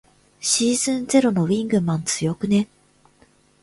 シーズンゼロのウィングマン強くね。